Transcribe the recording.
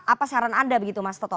apa saran anda begitu mas toto